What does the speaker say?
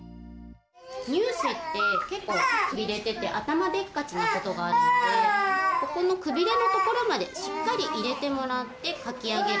乳歯って結構くびれてて頭でっかちなことがあるのでここのくびれのところまでしっかり入れてもらってかき上げる。